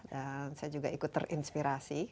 dan saya juga ikut terinspirasi